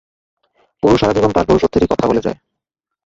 পুরুষ সারাজীবন শুধু তার পুরুষেত্বরই কথা বলে যায়।